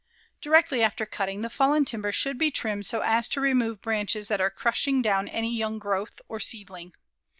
Directly after cutting, the fallen timber should be trimmed so as to remove branches that are crushing down any young growth or seedling.